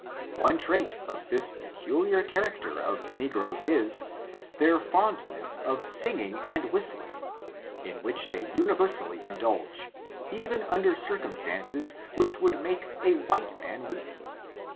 One trait of this peculiar character of the negroes is, their fondness of singing and whistling, in which they universally indulge, even under cir cumstances which would make a white man weep.